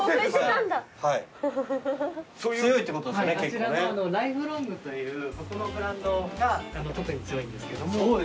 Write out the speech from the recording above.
あちらのＬＩＦＥＬＯＮＧというここのブランドが特に強いんですけども。